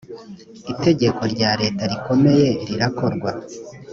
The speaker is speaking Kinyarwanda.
itegeko rya leta rikomye rirakorwa